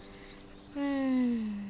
うん。